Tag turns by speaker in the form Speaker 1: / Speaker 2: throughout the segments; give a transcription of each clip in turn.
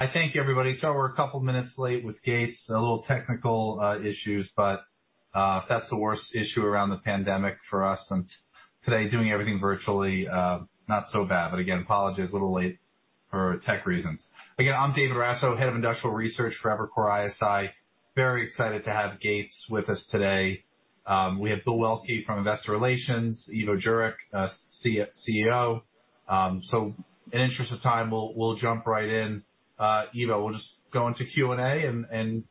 Speaker 1: I thank you, everybody. Sorry, we're a couple of minutes late with Gates, a little technical issues, but that's the worst issue around the pandemic for us. Today, doing everything virtually, not so bad. Again, apologies, a little late for tech reasons. Again, I'm David Raso, Head of Industrial Research for Evercore ISI. Very excited to have Gates with us today. We have Bill Waelke from Investor Relations, Ivo Jurek, CEO. In the interest of time, we'll jump right in. Ivo, we'll just go into Q&A and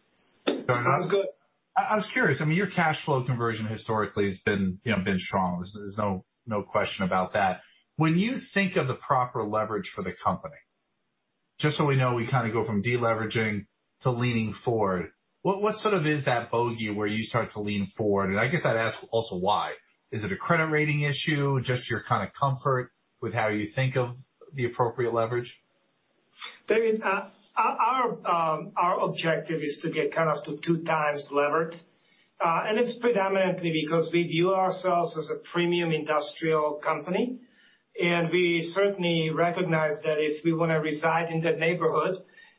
Speaker 1: start it off. Sounds good. I was curious. I mean, your cash flow conversion historically has been strong. There's no question about that. When you think of the proper leverage for the company, just so we know, we kind of go from deleveraging to leaning forward. What sort of is that bogey where you start to lean forward? I guess I'd ask also why. Is it a credit rating issue, just your kind of comfort with how you think of the appropriate leverage?
Speaker 2: David, our objective is to get kind of to two times levered. It is predominantly because we view ourselves as a premium industrial company. We certainly recognize that if we want to reside in that neighborhood,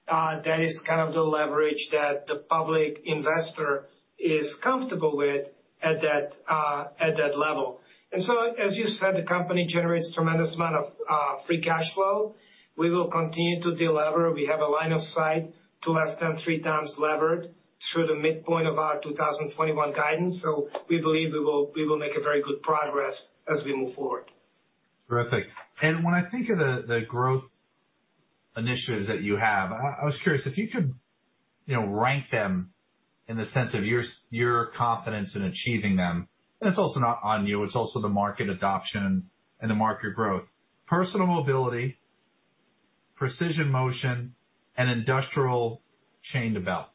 Speaker 2: that is kind of the leverage that the public investor is comfortable with at that level. As you said, the company generates a tremendous amount of free cash flow. We will continue to deliver. We have a line of sight to less than 3x levered through the midpoint of our 2021 guidance. We believe we will make very good progress as we move forward.
Speaker 1: Terrific. When I think of the growth initiatives that you have, I was curious if you could rank them in the sense of your confidence in achieving them. It is also not on you. It is also the market adoption and the market growth. Personal mobility, precision motion, and industrial chain to belt.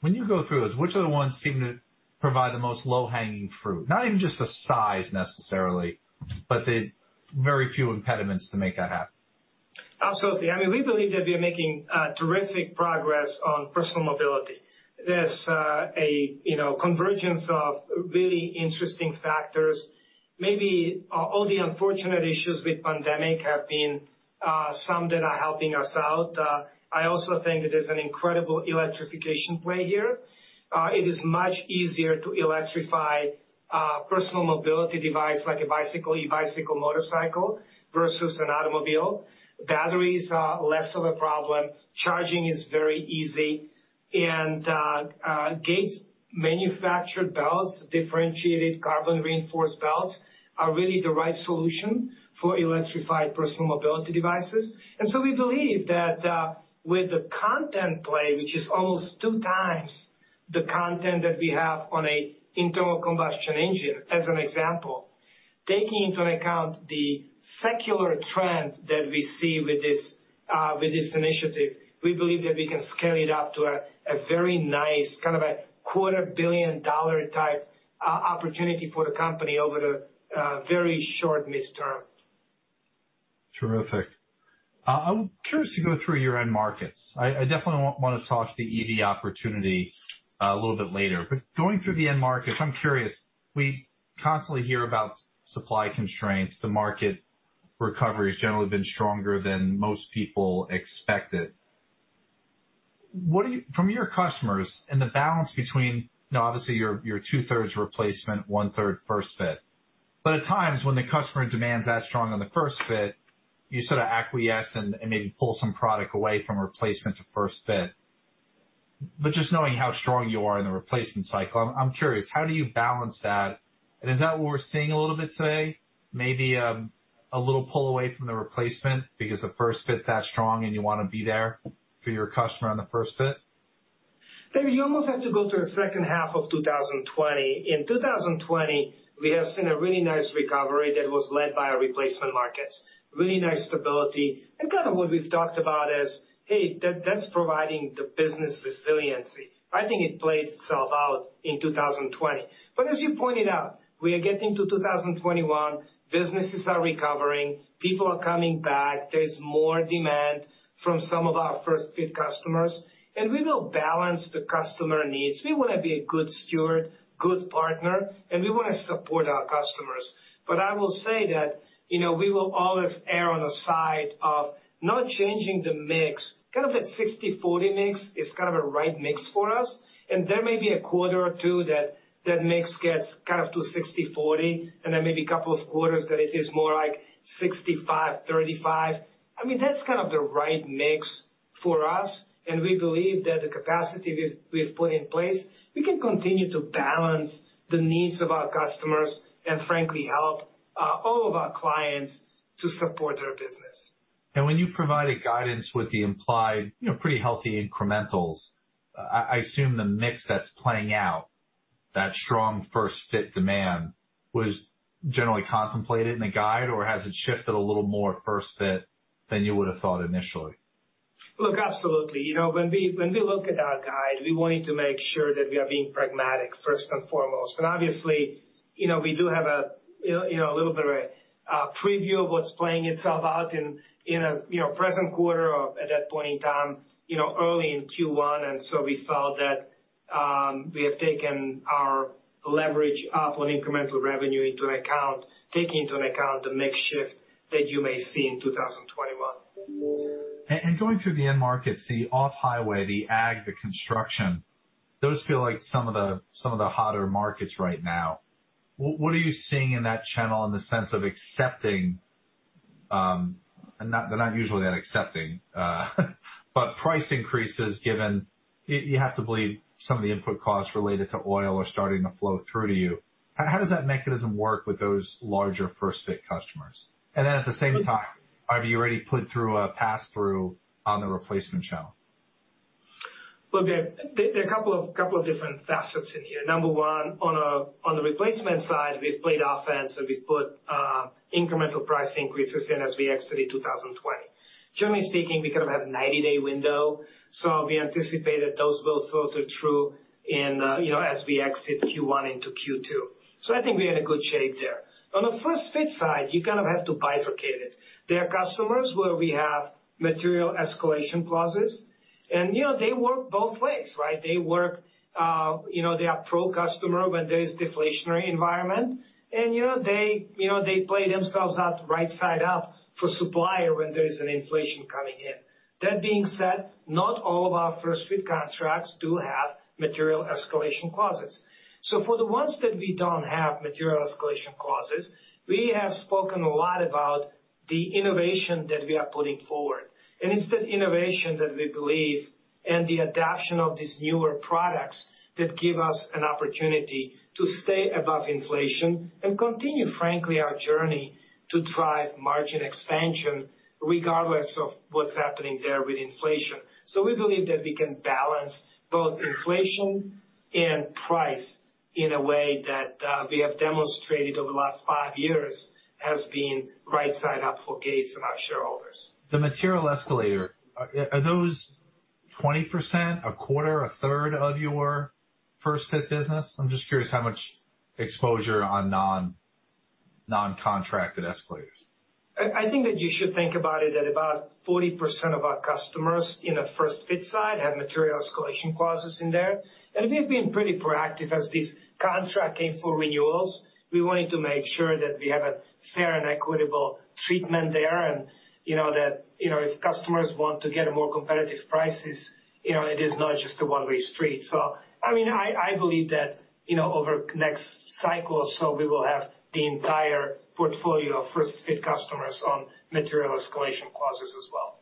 Speaker 1: When you go through those, which are the ones that seem to provide the most low-hanging fruit? Not even just the size necessarily, but the very few impediments to make that happen.
Speaker 2: Absolutely. I mean, we believe that we are making terrific progress on personal mobility. There's a convergence of really interesting factors. Maybe all the unfortunate issues with the pandemic have been some that are helping us out. I also think that there's an incredible electrification play here. It is much easier to electrify a personal mobility device like a bicycle, e-bicycle, motorcycle versus an automobile. Batteries are less of a problem. Charging is very easy. And Gates manufactured belts, differentiated carbon-reinforced belts, are really the right solution for electrified personal mobility devices. We believe that with the content play, which is almost 2x the content that we have on an internal combustion engine, as an example, taking into account the secular trend that we see with this initiative, we believe that we can scale it up to a very nice kind of a quarter billion dollar type opportunity for the company over the very short midterm.
Speaker 1: Terrific. I'm curious to go through your end markets. I definitely want to talk to the EV opportunity a little bit later. Going through the end markets, I'm curious. We constantly hear about supply constraints. The market recovery has generally been stronger than most people expected. From your customers and the balance between, obviously, your 2/3 replacement, 1/3 first fit. At times, when the customer demand is that strong on the first fit, you sort of acquiesce and maybe pull some product away from replacement to first fit. Just knowing how strong you are in the replacement cycle, I'm curious, how do you balance that? Is that what we're seeing a little bit today? Maybe a little pull away from the replacement because the first fit is that strong and you want to be there for your customer on the first fit?
Speaker 2: David, you almost have to go to the second half of 2020. In 2020, we have seen a really nice recovery that was led by our replacement markets. Really nice stability. What we have talked about is, hey, that is providing the business resiliency. I think it played itself out in 2020. As you pointed out, we are getting to 2021. Businesses are recovering. People are coming back. There is more demand from some of our first-fit customers. We will balance the customer needs. We want to be a good steward, good partner, and we want to support our customers. I will say that we will always err on the side of not changing the mix. That 60/40 mix is kind of a right mix for us. There may be a quarter or two that that mix gets kind of to 60/40, and then maybe a couple of quarters that it is more like 65/35. I mean, that's kind of the right mix for us. We believe that the capacity we've put in place, we can continue to balance the needs of our customers and, frankly, help all of our clients to support their business.
Speaker 1: When you provide guidance with the implied pretty healthy incrementals, I assume the mix that's playing out, that strong first-fit demand, was generally contemplated in the guide, or has it shifted a little more first fit than you would have thought initially?
Speaker 2: Look, absolutely. When we look at our guide, we wanted to make sure that we are being pragmatic first and foremost. Obviously, we do have a little bit of a preview of what's playing itself out in the present quarter at that point in time, early in Q1. We felt that we have taken our leverage up on incremental revenue into account, taking into account the mix shift that you may see in 2021.
Speaker 1: Going through the end markets, the off-highway, the ag, the construction, those feel like some of the hotter markets right now. What are you seeing in that channel in the sense of accepting? They're not usually that accepting. Price increases given you have to believe some of the input costs related to oil are starting to flow through to you. How does that mechanism work with those larger first-fit customers? At the same time, have you already put through a pass-through on the replacement channel?
Speaker 2: Look, there are a couple of different facets in here. Number one, on the replacement side, we've played offense and we've put incremental price increases in as we exited 2020. Generally speaking, we kind of have a 90-day window. We anticipate that those will filter through as we exit Q1 into Q2. I think we're in a good shape there. On the first-fit side, you kind of have to bifurcate it. There are customers where we have material escalation clauses. They work both ways, right? They are pro-customer when there is a deflationary environment. They play themselves out right side up for supplier when there is an inflation coming in. That being said, not all of our first-fit contracts do have material escalation clauses. For the ones that we don't have material escalation clauses, we have spoken a lot about the innovation that we are putting forward. It's that innovation that we believe and the adoption of these newer products that give us an opportunity to stay above inflation and continue, frankly, our journey to drive margin expansion regardless of what's happening there with inflation. We believe that we can balance both inflation and price in a way that we have demonstrated over the last five years has been right side up for Gates and our shareholders.
Speaker 1: The material escalator, are those 20%, 1/4, 1/3 of your first-fit business? I'm just curious how much exposure on non-contracted escalators?
Speaker 2: I think that you should think about it that about 40% of our customers in the first-fit side have material escalation clauses in there. We have been pretty proactive as these contracts came for renewals. We wanted to make sure that we have a fair and equitable treatment there and that if customers want to get more competitive prices, it is not just a one-way street. I mean, I believe that over the next cycle or so, we will have the entire portfolio of first-fit customers on material escalation clauses as well.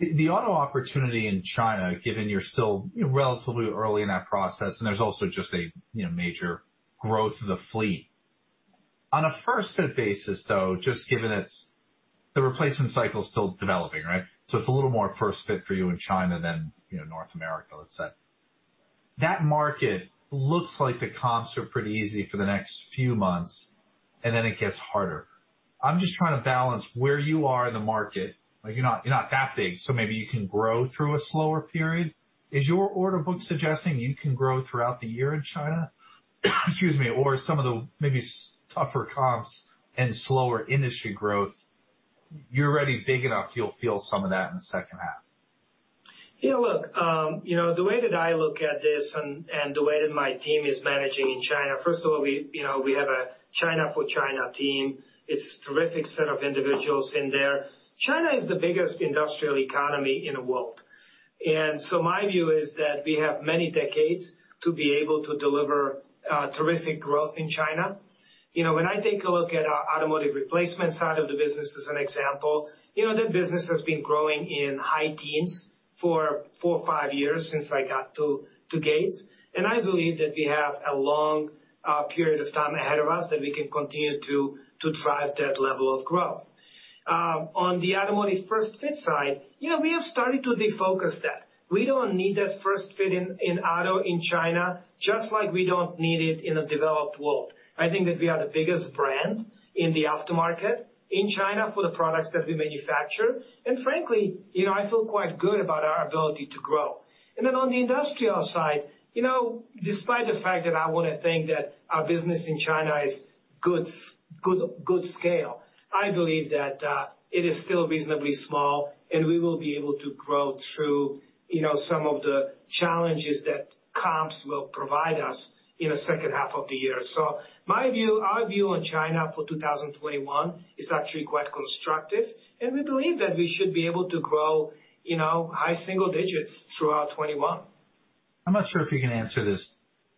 Speaker 1: The auto opportunity in China, given you're still relatively early in that process, and there's also just a major growth of the fleet. On a first-fit basis, though, just given the replacement cycle is still developing, right? So it's a little more first-fit for you in China than North America, let's say. That market looks like the comps are pretty easy for the next few months, and then it gets harder. I'm just trying to balance where you are in the market. You're not that big, so maybe you can grow through a slower period. Is your order book suggesting you can grow throughout the year in China? Excuse me. Or some of the maybe tougher comps and slower industry growth, you're already big enough, you'll feel some of that in the second half.
Speaker 2: Yeah, look, the way that I look at this and the way that my team is managing in China, first of all, we have a China for China team. It's a terrific set of individuals in there. China is the biggest industrial economy in the world. My view is that we have many decades to be able to deliver terrific growth in China. When I take a look at our automotive replacement side of the business as an example, that business has been growing in high teens for four or five years since I got to Gates. I believe that we have a long period of time ahead of us that we can continue to drive that level of growth. On the automotive first-fit side, we have started to defocus that. We do not need that first-fit in auto in China, just like we do not need it in a developed world. I think that we are the biggest brand in the aftermarket in China for the products that we manufacture. Frankly, I feel quite good about our ability to grow. On the industrial side, despite the fact that I want to think that our business in China is good scale, I believe that it is still reasonably small, and we will be able to grow through some of the challenges that comps will provide us in the second half of the year. My view, our view on China for 2021 is actually quite constructive. We believe that we should be able to grow high single digits throughout 2021.
Speaker 1: I'm not sure if you can answer this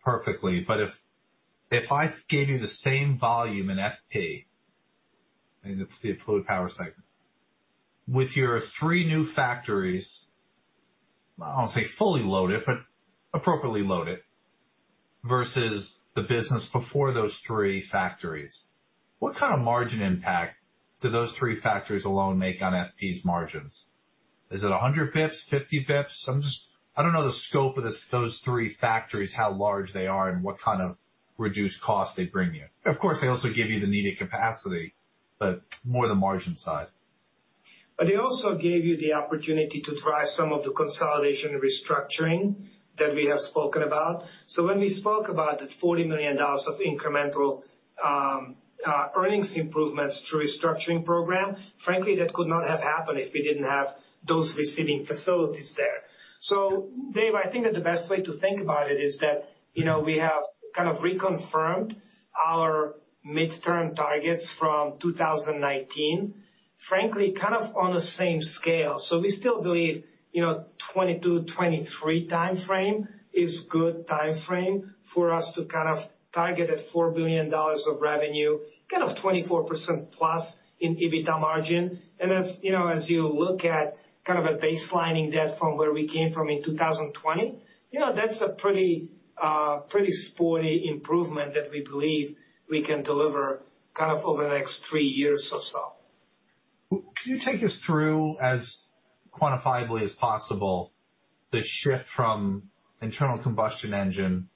Speaker 1: perfectly, but if I gave you the same volume in FP, the fluid power segment, with your three new factories, I don't want to say fully loaded, but appropriately loaded, versus the business before those three factories, what kind of margin impact do those three factories alone make on FP's margins? Is it 100 basis points, 50 basis points? I don't know the scope of those three factories, how large they are, and what kind of reduced cost they bring you. Of course, they also give you the needed capacity, but more the margin side.
Speaker 2: They also gave you the opportunity to drive some of the consolidation restructuring that we have spoken about. When we spoke about the $40 million of incremental earnings improvements through restructuring program, frankly, that could not have happened if we did not have those receiving facilities there. Dave, I think that the best way to think about it is that we have kind of reconfirmed our midterm targets from 2019, frankly, kind of on the same scale. We still believe 2022, 2023 timeframe is a good timeframe for us to target at $4 billion of revenue, kind of 24%+ in EBITDA margin. As you look at kind of a baselining that from where we came from in 2020, that is a pretty sporty improvement that we believe we can deliver kind of over the next three years or so.
Speaker 1: Can you take us through, as quantifiably as possible, the shift from internal combustion engine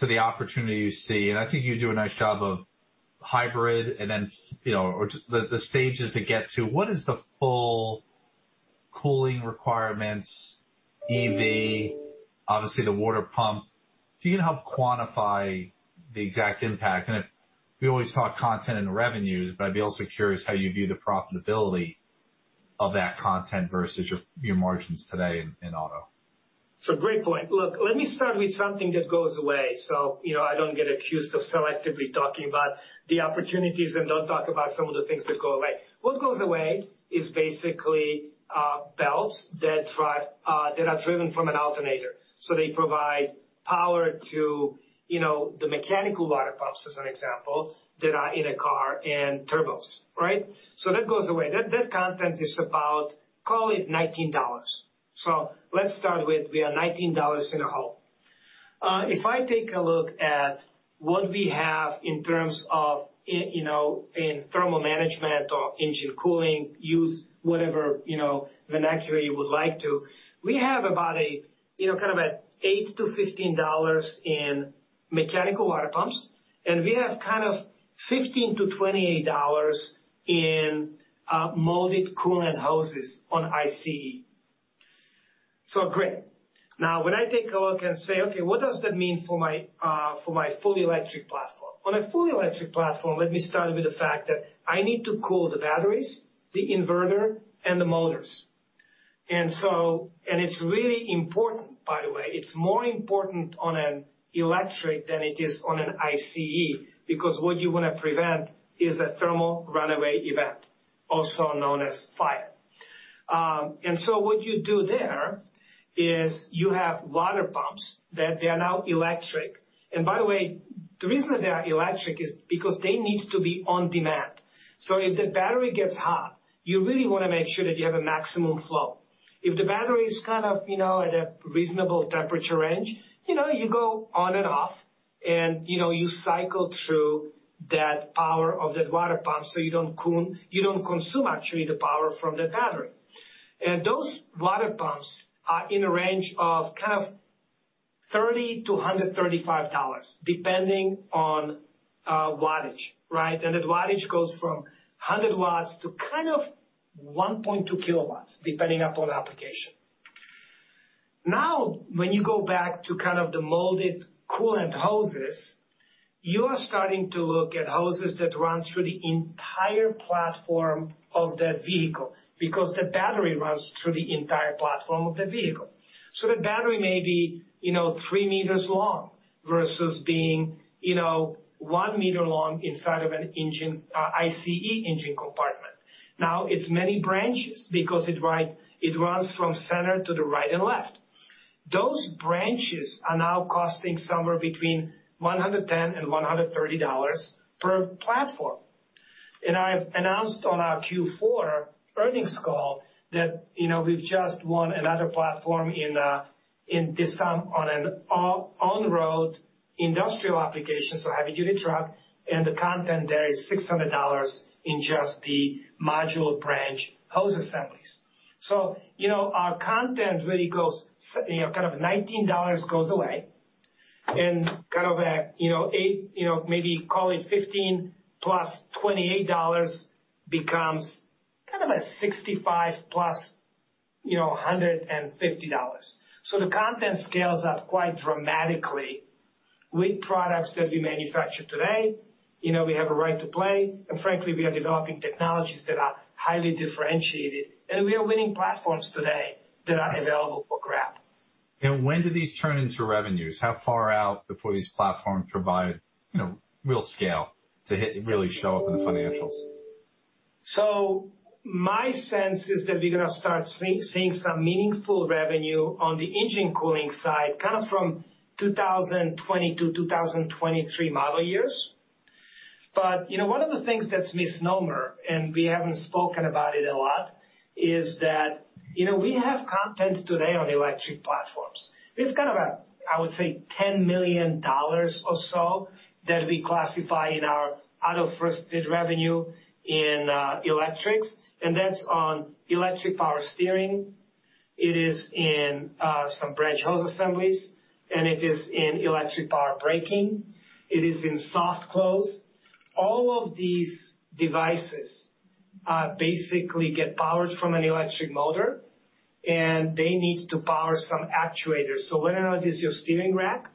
Speaker 1: to the opportunity you see? I think you do a nice job of hybrid and then the stages to get to. What is the full cooling requirements, EV, obviously the water pump? If you can help quantify the exact impact. We always talk content and revenues, but I'd be also curious how you view the profitability of that content versus your margins today in auto.
Speaker 2: It's a great point. Look, let me start with something that goes away. I don't get accused of selectively talking about the opportunities and don't talk about some of the things that go away. What goes away is basically belts that are driven from an alternator. They provide power to the mechanical water pumps, as an example, that are in a car and turbos, right? That goes away. That content is about, call it $19. Let's start with we are $19 in a hole. If I take a look at what we have in terms of thermal management or engine cooling, use whatever vernacular you would like to, we have about kind of $8-$15 in mechanical water pumps. We have kind of $15-$28 in molded coolant hoses on ICE. Great. Now, when I take a look and say, okay, what does that mean for my fully electric platform? On a fully electric platform, let me start with the fact that I need to cool the batteries, the inverter, and the motors. It is really important, by the way. It is more important on an electric than it is on an ICE because what you want to prevent is a thermal runaway event, also known as fire. What you do there is you have water pumps that are now electric. By the way, the reason that they are electric is because they need to be on demand. If the battery gets hot, you really want to make sure that you have a maximum flow. If the battery is kind of at a reasonable temperature range, you go on and off, and you cycle through that power of that water pump so you do not consume actually the power from that battery. Those water pumps are in a range of $30-$135, depending on wattage, right? That wattage goes from 100 W to kind of 1.2 KW, depending upon application. Now, when you go back to kind of the molded coolant hoses, you are starting to look at hoses that run through the entire platform of that vehicle because the battery runs through the entire platform of the vehicle. The battery may be 3 m long versus being 1 m long inside of an ICE engine compartment. Now, it is many branches because it runs from center to the right and left. Those branches are now costing somewhere between $110 and $130 per platform. I have announced on our Q4 earnings call that we have just won another platform in this sum on an on-road industrial application, so heavy-duty truck. The content there is $600 in just the modular branch hose assemblies. Our content really goes kind of $19 goes away. Maybe call it $15 + $28 becomes kind of a $65 + $150. The content scales up quite dramatically with products that we manufacture today. We have a right to play. Frankly, we are developing technologies that are highly differentiated. We are winning platforms today that are available for grab.
Speaker 1: When do these turn into revenues? How far out before these platforms provide real scale to really show up in the financials?
Speaker 2: My sense is that we're going to start seeing some meaningful revenue on the engine cooling side kind of from 2020 to 2023 model years. One of the things that's a misnomer, and we haven't spoken about it a lot, is that we have content today on electric platforms. We have kind of, I would say, $10 million or so that we classify in our out-of-first-fit revenue in electrics. That is on electric power steering. It is in some branch hose assemblies. It is in electric power braking. It is in soft close. All of these devices basically get powered from an electric motor, and they need to power some actuators. Whether or not it is your steering rack,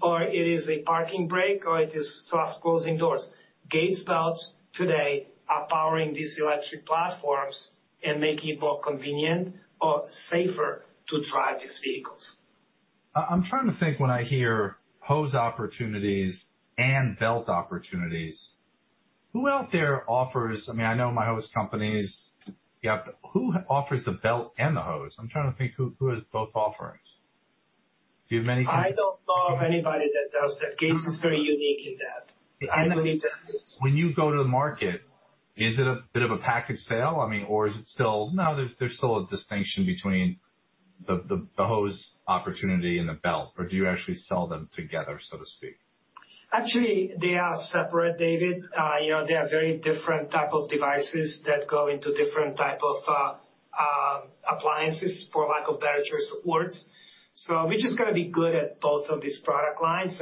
Speaker 2: or it is a parking brake, or it is soft closing doors, Gates belts today are powering these electric platforms and making it more convenient or safer to drive these vehicles.
Speaker 1: I'm trying to think when I hear hose opportunities and belt opportunities, who out there offers, I mean, I know my host companies. Who offers the belt and the hose? I'm trying to think who has both offerings. Do you have many?
Speaker 2: I don't know of anybody that does that. Gates is very unique in that.
Speaker 1: When you go to the market, is it a bit of a package sale? I mean, or is it still no, there's still a distinction between the hose opportunity and the belt? Or do you actually sell them together, so to speak?
Speaker 2: Actually, they are separate, David. They are very different types of devices that go into different types of appliances, for lack of better words. We are just going to be good at both of these product lines.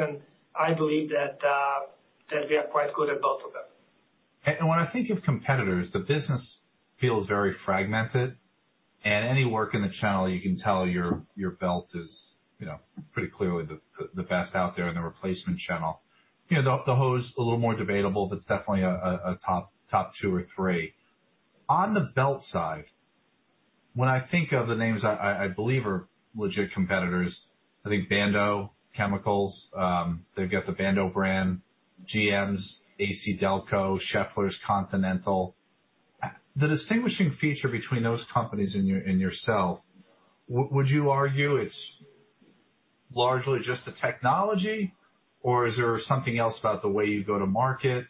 Speaker 2: I believe that we are quite good at both of them.
Speaker 1: When I think of competitors, the business feels very fragmented. Any work in the channel, you can tell your belt is pretty clearly the best out there in the replacement channel. The hose is a little more debatable, but it's definitely a top two or three. On the belt side, when I think of the names I believe are legit competitors, I think Bando, they've got the Bando brand, GM's ACDelco, Schaeffler, Continental. The distinguishing feature between those companies and yourself, would you argue it's largely just the technology, or is there something else about the way you go to market?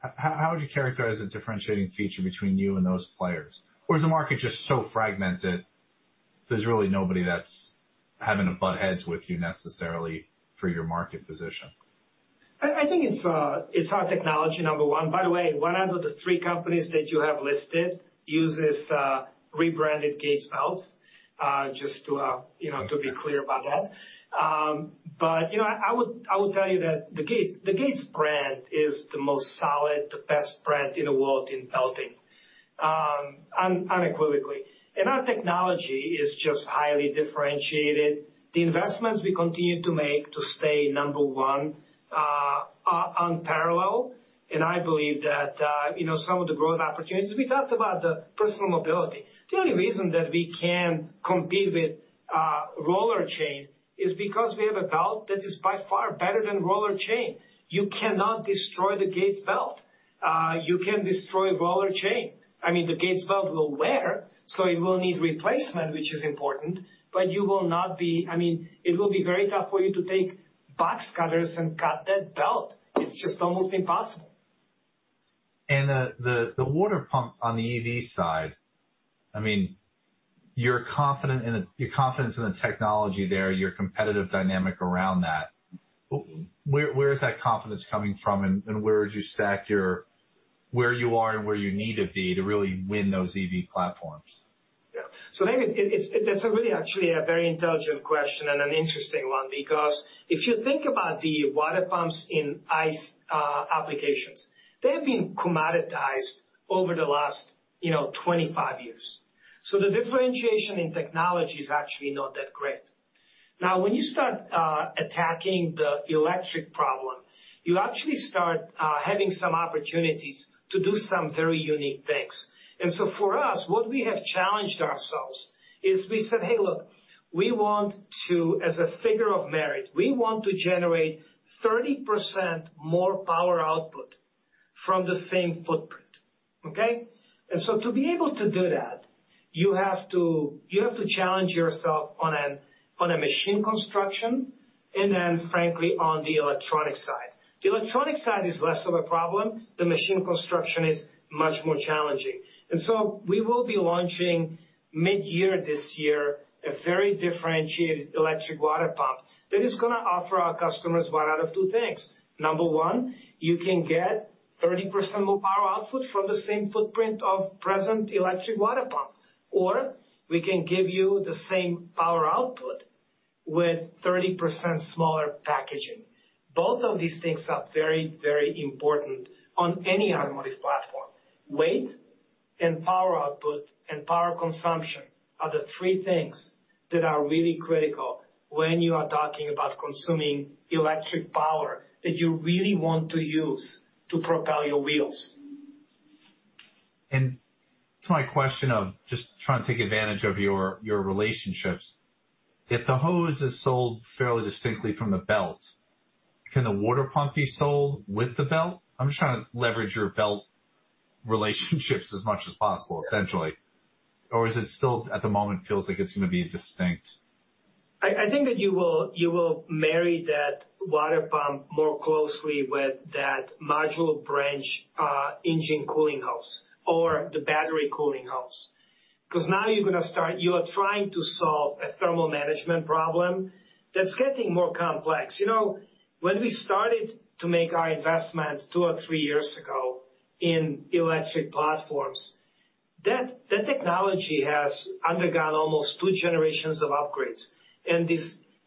Speaker 1: How would you characterize the differentiating feature between you and those players? Or is the market just so fragmented there's really nobody that's having to butt heads with you necessarily for your market position?
Speaker 2: I think it's our technology, number one. By the way, one out of the three companies that you have listed uses rebranded Gates belts, just to be clear about that. I would tell you that the Gates brand is the most solid, the best brand in the world in belting, unequivocally. Our technology is just highly differentiated. The investments we continue to make to stay number one are unparalleled. I believe that some of the growth opportunities we talked about, the personal mobility, the only reason that we can't compete with roller chain is because we have a belt that is by far better than roller chain. You cannot destroy the Gates belt. You can destroy roller chain. I mean, the Gates belt will wear, so it will need replacement, which is important. I mean, it will be very tough for you to take box cutters and cut that belt. It's just almost impossible.
Speaker 1: The water pump on the EV side, I mean, your confidence in the technology there, your competitive dynamic around that, where is that confidence coming from? And where would you stack your where you are and where you need to be to really win those EV platforms?
Speaker 2: Yeah. David, that's really actually a very intelligent question and an interesting one because if you think about the water pumps in ICE applications, they have been commoditized over the last 25 years. The differentiation in technology is actually not that great. Now, when you start attacking the electric problem, you actually start having some opportunities to do some very unique things. For us, what we have challenged ourselves is we said, "Hey, look, we want to, as a figure of merit, we want to generate 30% more power output from the same footprint." Okay? To be able to do that, you have to challenge yourself on a machine construction and then, frankly, on the electronic side. The electronic side is less of a problem. The machine construction is much more challenging. We will be launching mid-year this year a very differentiated electric water pump that is going to offer our customers one out of two things. Number one, you can get 30% more power output from the same footprint of present electric water pump. Or we can give you the same power output with 30% smaller packaging. Both of these things are very, very important on any automotive platform. Weight and power output and power consumption are the three things that are really critical when you are talking about consuming electric power that you really want to use to propel your wheels.
Speaker 1: To my question of just trying to take advantage of your relationships, if the hose is sold fairly distinctly from the belt, can the water pump be sold with the belt? I'm just trying to leverage your belt relationships as much as possible, essentially. Is it still at the moment feels like it's going to be distinct?
Speaker 2: I think that you will marry that water pump more closely with that modular branch engine cooling hose or the battery cooling hose. You are trying to solve a thermal management problem that's getting more complex. When we started to make our investment two or three years ago in electric platforms, that technology has undergone almost two generations of upgrades.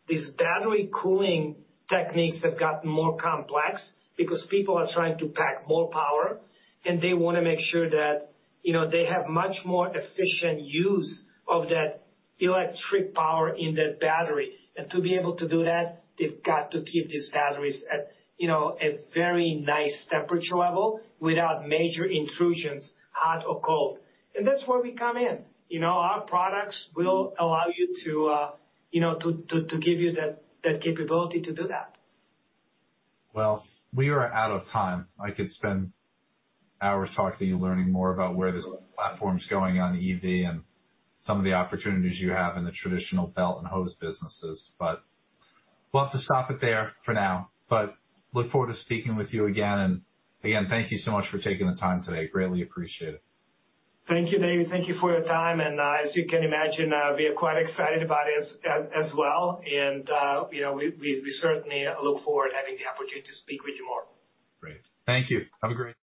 Speaker 2: These battery cooling techniques have gotten more complex because people are trying to pack more power, and they want to make sure that they have much more efficient use of that electric power in that battery. To be able to do that, they've got to keep these batteries at a very nice temperature level without major intrusions, hot or cold. That's where we come in. Our products will allow you to give you that capability to do that.
Speaker 1: We are out of time. I could spend hours talking to you, learning more about where this platform's going on EV and some of the opportunities you have in the traditional belt and hose businesses. We'll have to stop it there for now. Look forward to speaking with you again. Again, thank you so much for taking the time today. Greatly appreciate it.
Speaker 2: Thank you, David. Thank you for your time. As you can imagine, we are quite excited about it as well. We certainly look forward to having the opportunity to speak with you more.
Speaker 1: Great. Thank you. Have a great day.